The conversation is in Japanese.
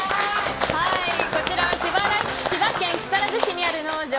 こちらは千葉県木更津市にある農場